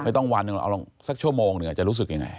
ไม่ต้องวันเอาลงสักชั่วโมงหนึ่งจะรู้สึกยังไง